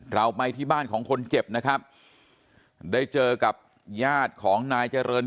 เราไปที่บ้านของคนเจ็บนะครับได้เจอกับญาติของนายเจริญ